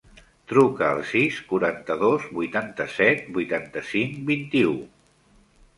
Truca al sis, quaranta-dos, vuitanta-set, vuitanta-cinc, vint-i-u.